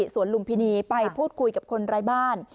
สวนลุมพินีไปพูดคุยกับคนไร้บ้าน